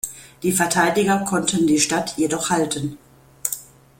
Die Verteidiger konnten die Stadt jedoch halten.